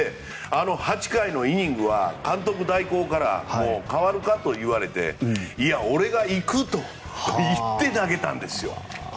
あの８回のイニングは監督代行から代わるか？と言われていや、俺がいくと言って投げたんですよ。